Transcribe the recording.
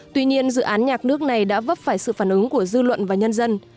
tuy nhiên dự án nhạc nước này đã vấp phải sự phản ứng của dư luận và nhân dân